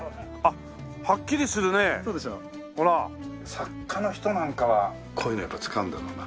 作家の人なんかはこういうのやっぱり使うんだろうな。